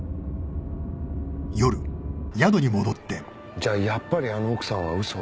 じゃあやっぱりあの奥さんは嘘を？